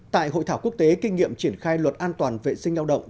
tại hội thảo quốc tế kinh nghiệm triển khai luật an toàn vệ sinh lao động